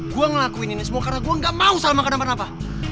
gue ngelakuin ini semua karena gue gak mau sama kenapa